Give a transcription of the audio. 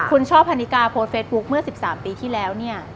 คุณชอบพนิกาโพสเฟซบุ๊กเมื่อ๑๓ปีที่แล้ว